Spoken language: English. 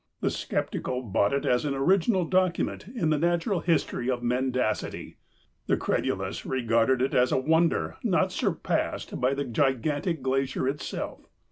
The skeptical bought it as an original document in the natural history of mendacity. The credulous regarded it as a wonder not surpassed by the gigantic glacier itself.